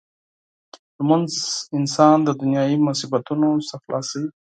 لمونځ انسان د دنیايي مصیبتونو څخه خلاصوي.